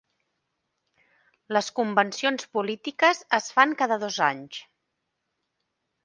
Les convencions polítiques es fan cada dos anys.